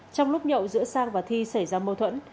trong lúc nhậu giữa sang và thi xảy ra mâu thuẫn